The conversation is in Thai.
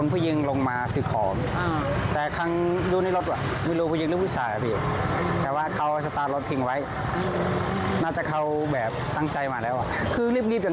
ประมาณไม่ถึง๕นาทีไปแล้ว๓๘๐ตา